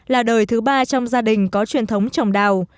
là đời thứ ba trong gia đình có truyền thống trồng đào